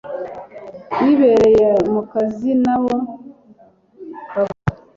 bibereye mukazinabo bavuga